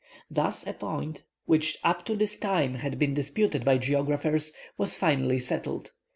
Thus a point, which up to this time had been disputed by geographers, was definitely settled.